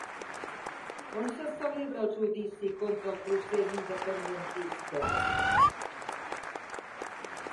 On se celebra el judici contra el procés independentista?